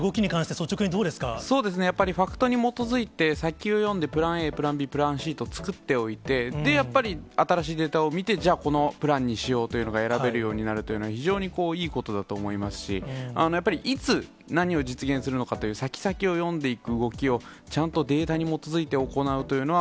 そうですね、やっぱりファクトに基づいて、先を読んで、プランＡ、プランＢ、プランＣと作っておいて、で、やっぱり新しいデータを見て、じゃあこのプランにしようというのが選べるようになるというのは、非常にいいことだと思いますし、やっぱりいつ、何を実現するのかという、先々を読んでいく動きをちゃんとデータに基づいて行うというのは、